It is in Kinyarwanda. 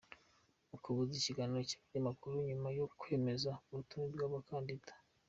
Ukuboza : Ikiganiro n’Abanyamakuru nyuma yo kwemeza urutonde rw’abakandida;.